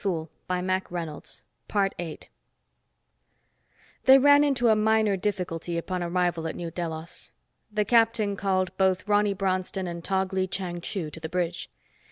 "Good night, Ronny," she said demurely. They ran into a minor difficulty upon arrival at New Delos. The captain called both Ronny Bronston and Tog Lee Chang Chu to the bridge.